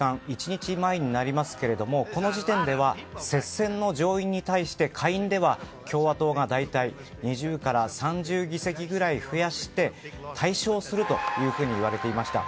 １日前になりますけれどもこの時点では接戦の上院に対して、下院では共和党が大体２０から３０議席ぐらい増やして大勝するといわれていました。